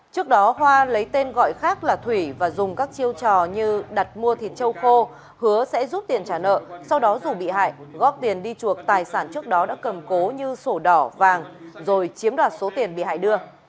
trước đó hoa lấy tên gọi khác là thủy và dùng các chiêu trò như đặt mua thịt trâu khô hứa sẽ rút tiền trả nợ sau đó rủ bị hại góp tiền đi chuộc tài sản trước đó đã cầm cố như sổ đỏ vàng rồi chiếm đoạt số tiền bị hại đưa